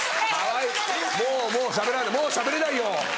もうもうしゃべれないもうしゃべれないよ。